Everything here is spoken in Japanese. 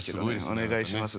お願いします。